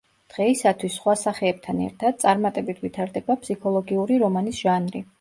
დღეისათვის, სხვა სახეებთან ერთად, წარმატებით ვითარდება ფსიქოლოგიური რომანის ჟანრი.